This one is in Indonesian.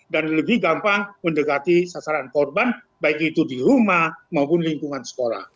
dan lebih gampang mendekati sasaran korban baik itu di rumah maupun lingkungan sekolah